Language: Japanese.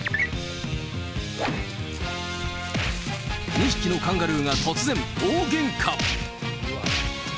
２匹のカンガルーが突然、大げんか。